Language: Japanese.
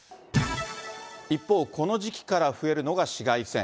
一方、この時期から増えるのが紫外線。